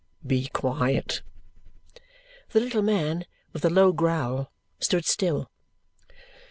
"Be quiet." The little man, with a low growl, stood still.